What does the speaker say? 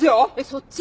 そっち！？